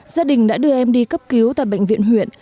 gia đình đã đưa em đi cấp cứu tại bệnh viện huyện